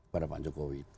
pada pak jokowi